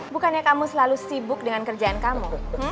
bukannya kamu selalu sibuk dengan kerjaan kamu